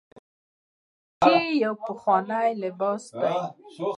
دریشي یو پخوانی لباس دی.